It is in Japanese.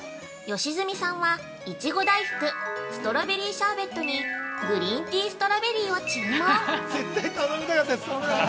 ◆吉住さんはいちご大福、ストロベリーシャーベットにグリーンティー・ストロベリーを注文！